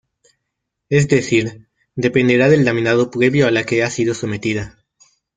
Es decir, dependerá del laminado previo a la que ha sido sometida.